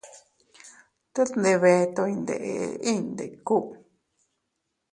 Tet ndebeto iyndeʼe inñ ndiku.